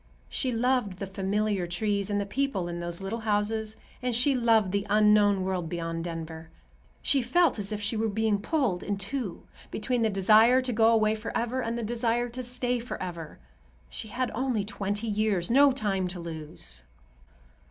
She loved the familiar trees, and the people in those little houses, and she loved the unknown world beyond Denver. She felt as if she were being pulled in two, between the desire to go away forever and the desire to stay forever. She had only twenty years—no time to lose.